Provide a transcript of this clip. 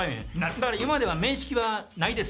だから今までは面識はないです。